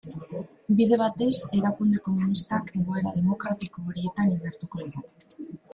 Bide batez, erakunde komunistak egoera demokratiko horietan indartuko lirateke.